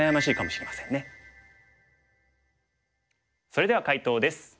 それでは解答です。